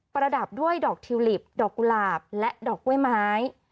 ประดับด้วยดอกทิวลิปดอกกุหลาบและดอกกล้วยไม้